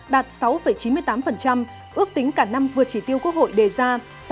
đạt sáu chín mươi tám ước tính cả năm vượt chỉ tiêu quốc hội đề ra sáu bảy